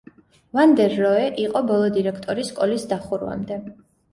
ვან დერ როე იყო ბოლო დირექტორი სკოლის დახურვამდე.